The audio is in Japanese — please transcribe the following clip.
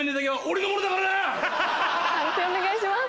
判定お願いします。